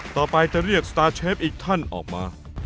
ต่อไปจะเรียกสตาร์เชฟอีกท่านออกมา